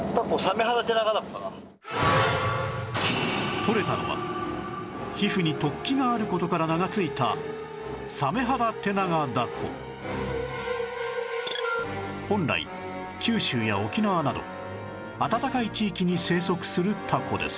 とれたのは皮膚に突起がある事から名が付いた本来九州や沖縄など暖かい地域に生息するタコです